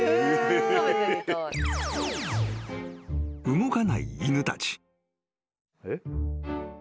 ［動かない犬たち］